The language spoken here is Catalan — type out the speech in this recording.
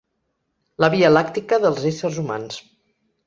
La via làctica dels éssers humans.